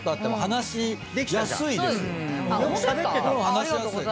話しやすい。